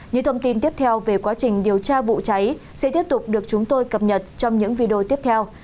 những thông tin tiếp theo về quá trình điều tra vụ cháy sẽ tiếp tục được chúng tôi cập nhật trong những video tiếp theo